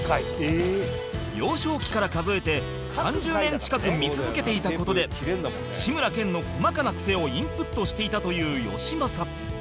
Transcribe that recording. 幼少期から数えて３０年近く見続けていた事で志村けんの細かなクセをインプットしていたというよしまさ